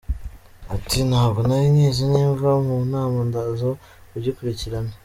Ati “Ntabwo nari nkizi nimva mu nama ndaza kugikurikirana.